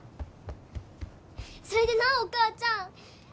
それでなお母ちゃん！